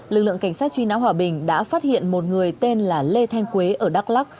lực lượng cảnh sát truy nã hòa bình đã phát hiện một người tên là lê thanh quế ở đắk lắc